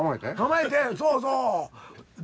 そうそう。